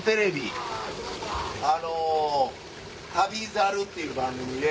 あの『旅猿』っていう番組で。